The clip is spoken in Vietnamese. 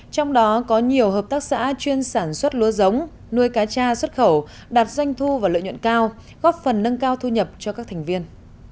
trong đó có nhiều hợp tác xã chuyên sản xuất lúa giống nuôi cá cha xuất khẩu đạt doanh thu và lợi nhuận cao góp phần nâng cao thu nhập cho các thành viên